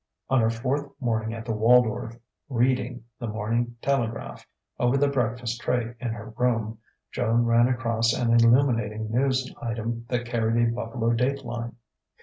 On her fourth morning at the Waldorf, reading The Morning Telegraph over the breakfast tray in her room, Joan ran across an illuminating news item that carried a Buffalo date line.